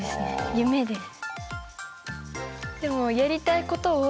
夢です。